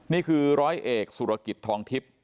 นี่คือร้อยเอกสุรกิจทองทิพย์